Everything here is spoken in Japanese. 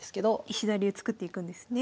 石田流作っていくんですね。